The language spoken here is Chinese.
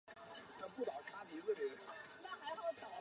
是由一群想尽快破关并回到现实世界的人组成。